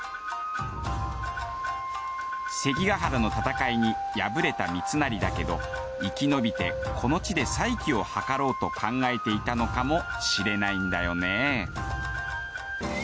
関ケ原の戦いに敗れた三成だけど生きのびてこの地で再起をはかろうと考えていたのかもしれないんだよね。